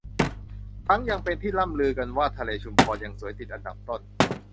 ทั้งยังเป็นที่ร่ำลือกันว่าทะเลชุมพรยังสวยติดอันดับต้น